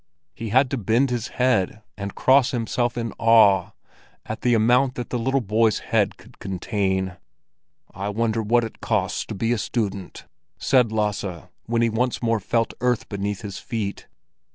He had to bend his head and cross himself in awe at the amount that the boy's little head could contain. "I wonder what it costs to be a student?" said Lasse, when he once more felt earth beneath his feet.